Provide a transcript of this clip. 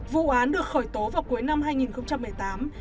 vụ án được khởi tố vào cuối năm hai nghìn một mươi tám